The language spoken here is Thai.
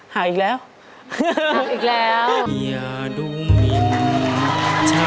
นั่งดูโทรธรรมที่บ้านครับนั่งดูโทรธรรมที่บ้านครับ